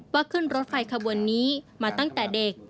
ขึ้นรถไฟขบวนนี้มาตั้งแต่เด็ก